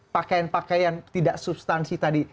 pakaian pakaian tidak substansi tadi